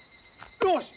よし！